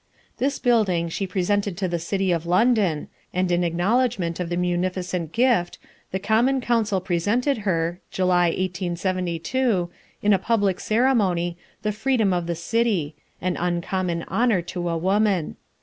This building she presented to the city of London, and in acknowledgment of the munificent gift, the Common Council presented her, July, 1872, in a public ceremony, the freedom of the city, an uncommon honor to a woman.